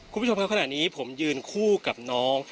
คุณผู้ชมครับขณะนี้ผมยืนคู่กับน้อง